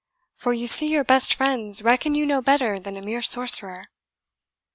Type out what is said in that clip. For you see your best friends reckon you no better than a mere sorcerer."